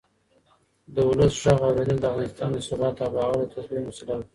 د ولس غږ اورېدل د افغانستان د ثبات او باور د تضمین وسیله ده